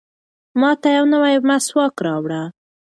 ماته یو نوی مسواک راوړه.